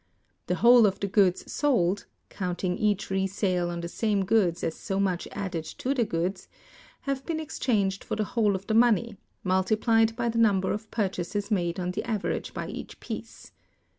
The whole of the goods sold (counting each resale of the same goods as so much added to the goods) have been exchanged for the whole of the money, multiplied by the number of purchases made on the average by each piece.